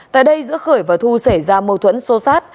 tại đây giữa khởi và thu xảy ra mâu thuẫn sô sát